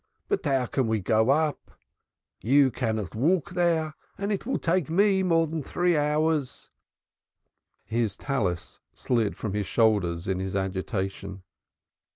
But how can we go up? Thou canst not walk there. It will take me more than three hours." His praying shawl slid from his shoulders in his agitation.